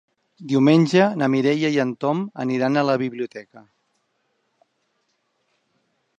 Diumenge na Mireia i en Tom aniran a la biblioteca.